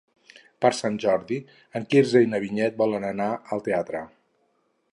Per Sant Jordi en Quirze i na Vinyet volen anar al teatre.